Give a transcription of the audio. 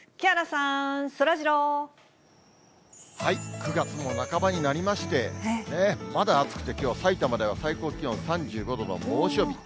９月も半ばになりまして、まだ暑くて、きょうはさいたまでは最高気温３５度の猛暑日。